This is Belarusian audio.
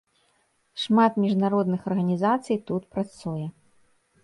Шмат міжнародных арганізацый тут працуе.